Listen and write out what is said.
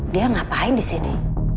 dia ngapain disini